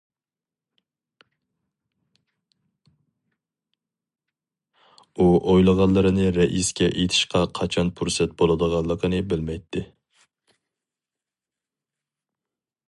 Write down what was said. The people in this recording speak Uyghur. ئۇ ئويلىغانلىرىنى رەئىسكە ئېيتىشقا قاچان پۇرسەت بولىدىغانلىقىنى بىلمەيتتى.